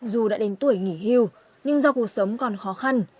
dù đã đến tuổi nghỉ hưu nhưng do cuộc sống còn khó khăn